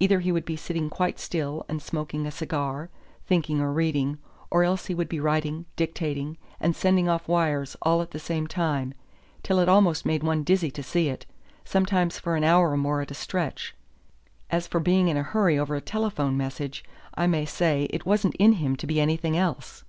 Either he would be sitting quite still and smoking a cigar, thinking or reading, or else he would be writing, dictating, and sending off wires all at the same time, till it almost made one dizzy to see it, sometimes for an hour or more at a stretch. As for being in a hurry over a telephone message, I may say it wasn't in him to be anything else."